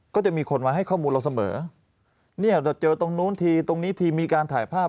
ก็จะมีคนมาให้ข้อมูลเราเสมอเนี่ยเราเจอตรงนู้นทีตรงนี้ทีมีการถ่ายภาพ